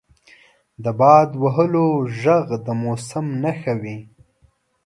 • د باد وهلو ږغ د موسم نښه وي.